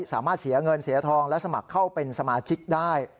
สามารถเสียเงินเสียทองและสมัครเข้าเป็นสมาชิกได้